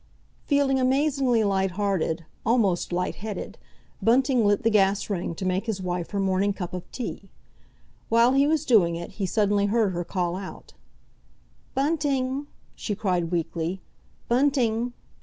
Feeling amazingly light hearted, almost light headed, Bunting lit the gas ring to make his wife her morning cup of tea. While he was doing it, he suddenly heard her call out: "Bunting!" she cried weakly. "Bunting!"